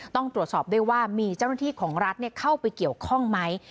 ต้องตรวจสอบด้วยว่ามีเจ้าหน้าที่ของรัฐเข้าไปเกี่ยวข้องไหม